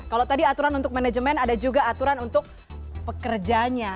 kalau tadi aturan untuk manajemen ada juga aturan untuk pekerjanya